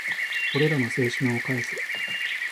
俺らの青春を返せ